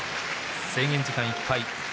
制限時間いっぱい。